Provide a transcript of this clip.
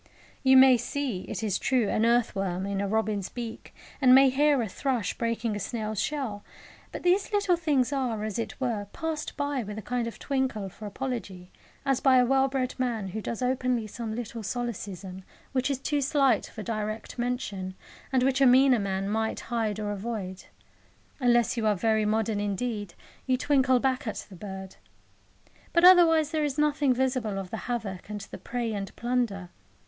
You may see, it is true, an earth worm in a robin's beak, and may hear a thrush breaking a snail's shell; but these little things are, as it were, passed by with a kind of twinkle for apology, as by a well bred man who does openly some little solecism which is too slight for direct mention, and which a meaner man might hide or avoid. Unless you are very modern indeed, you twinkle back at the bird. But otherwise there is nothing visible of the havoc and the prey and plunder.